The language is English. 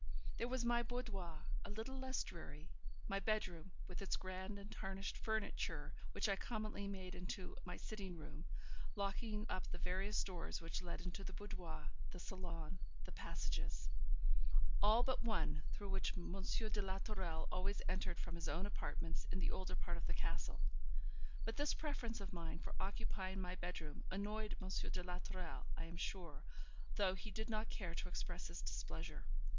There was my boudoir, a little less dreary my bedroom, with its grand and tarnished furniture, which I commonly made into my sitting room, locking up the various doors which led into the boudoir, the salon, the passages all but one, through which M. de la Tourelle always entered from his own apartments in the older part of the castle. But this preference of mine for occupying my bedroom annoyed M. de la Tourelle, I am sure, though he did not care to express his displeasure.